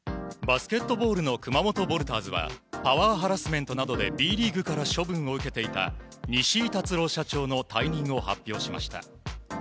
バスケットボールの熊本ヴォルターズはパワーハラスメントなどでＢリーグから処分を受けていた西井辰朗社長の退任を発表しました。